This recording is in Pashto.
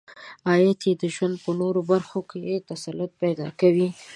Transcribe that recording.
عاید یې د ژوند په نورو برخو تسلط پیدا کوي.